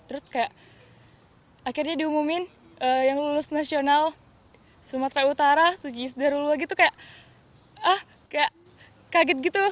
terus kayak akhirnya diumumin yang lulus nasional sumatera utara suci isdihar hulwa gitu kayak ah kayak kaget gitu